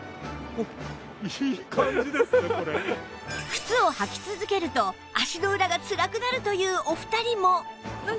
靴を履き続けると足の裏がつらくなるというお二人も